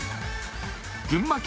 群馬県